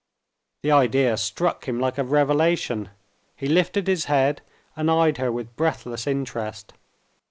The idea struck him like a revelation: he lifted his head, and eyed her with breathless interest.